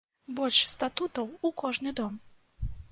Больш статутаў у кожны дом!